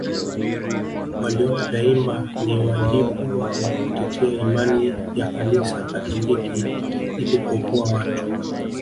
Waliona daima ni wajibu wao kutetea imani ya kanisa katoliki ili kuokoa watu